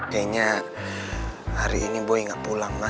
sebenarnya hari ini boy gak pulang ma